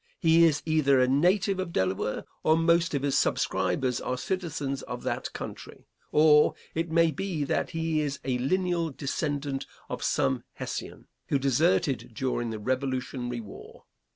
He is either a native of Delaware, or most of his subscribers are citizens of that country; or, it may be that he is a lineal descendant of some Hessian, who deserted during the Revolutionary war.